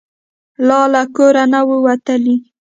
لا له کوره نه وو وتلي.